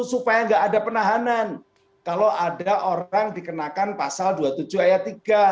supaya nggak ada penahanan kalau ada orang dikenakan pasal dua puluh tujuh ayat tiga